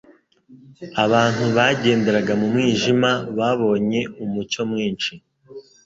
«Abantu bagenderaga mu mwijima babonye umucyo mwinshi,